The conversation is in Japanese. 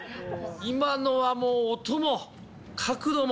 今のはもう音も角度も。